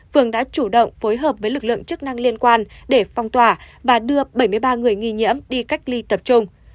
phường đã chủ động phối hợp với lực lượng chức năng liên quan để phong tỏa và đưa bảy mươi ba người nghi nhiễm đi cách ly tập trung